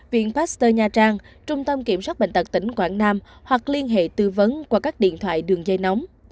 viện pasteur nha trang trung tâm kiểm soát bệnh tật tỉnh quảng nam hoặc liên hệ tư vấn qua các điện thoại đường dây nóng